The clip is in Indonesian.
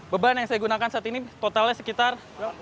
beban yang saya gunakan saat ini totalnya sekitar